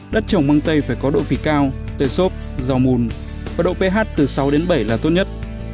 đất trồng măng tây phải có độ phỉ cao tơi sốt rau mùn và độ ph từ sáu đến bảy là tốt nhất